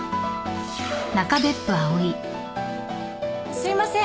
「すいません」